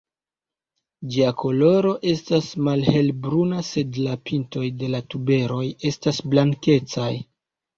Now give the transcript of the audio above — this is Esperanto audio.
Ĝia koloro estas malhel-bruna sed la pintoj de la tuberoj estas blankecaj.